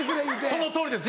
そのとおりです